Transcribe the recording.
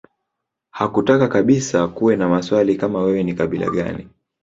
Hakutaka kabisa kuwe na maswali kama wewe ni kabila gani